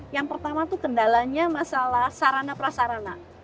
yang pertama itu kendalanya masalah sarana prasarana